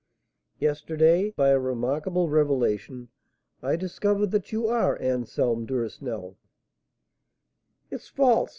Yesterday, by a remarkable revelation, I discovered that you are Anselm Duresnel " "It's false!